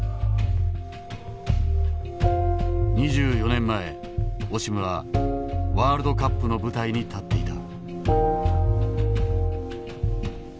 ２４年前オシムはワールドカップの舞台に立っていた。